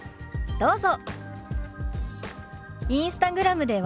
どうぞ。